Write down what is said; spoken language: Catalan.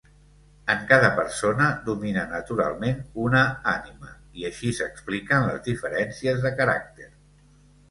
En cada persona, domina naturalment una ànima i així s'expliquen les diferències de caràcter.